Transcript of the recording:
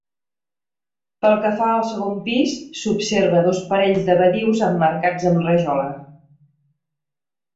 Pel que fa al segon pis, s’observa dos parells de badius emmarcats amb rajola.